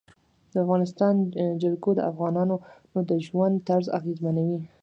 د افغانستان جلکو د افغانانو د ژوند طرز اغېزمنوي.